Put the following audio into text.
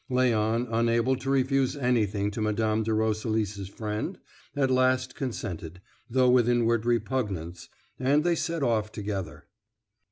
Léon, unable to refuse anything to Mme. de Roselis' friend, at last consented, though with inward repugnance, and they set off together.